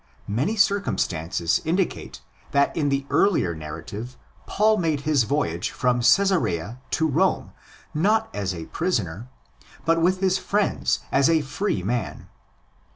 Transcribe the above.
Many circumstances inditate that in the earlier narrative Paul made his voyage from Czsarea to Rome not as a prisoner, but with his friends as a free man.